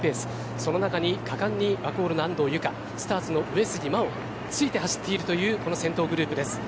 その中に果敢にワコールの安藤友香スターツの上杉真穂ついて走っているというこの先頭グループです。